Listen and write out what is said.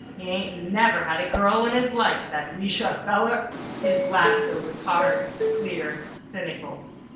He ain't never had a girl in his life, that Ree shar feller." His laughter was hard, clear, cynical.